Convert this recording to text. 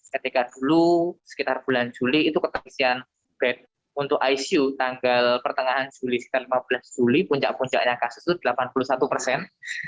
ketika dulu sekitar bulan juli itu keterisian bed untuk icu tanggal pertengahan juli sekitar lima belas juli puncak puncaknya kasus itu delapan puluh satu persen